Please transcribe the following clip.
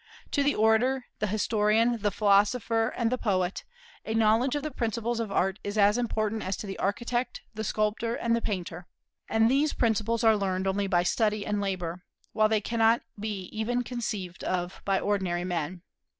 To the orator, the historian, the philosopher, and the poet, a knowledge of the principles of Art is as important as to the architect, the sculptor, and the painter; and these principles are learned only by study and labor, while they cannot be even conceived of by ordinary men.